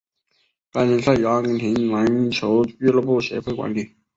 该联赛由阿根廷篮球俱乐部协会管理。